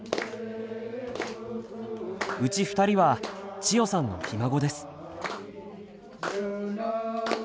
うち２人は千代さんのひ孫です。